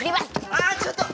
あちょっと！